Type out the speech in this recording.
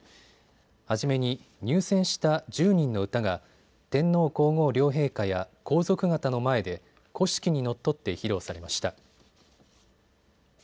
初めに入選した１０人の歌が天皇皇后両陛下や皇族方の前で古式にのっとって披露されました。